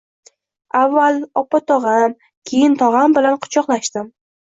Avval opog‘otam, keyin tog‘am bilan quchoqlashdim